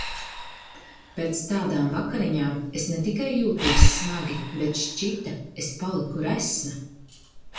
Pēc tādām vakariņām es ne tikai jūtos smagi, bet šķita es paliku resna.